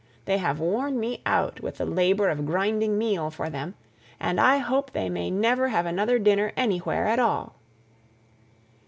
They have worn me out with labour of grinding meal for them, and I hope they may never have another dinner anywhere at all."